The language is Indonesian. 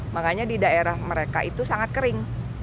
makanya di daerah mereka itu sangat kering